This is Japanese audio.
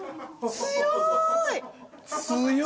強い！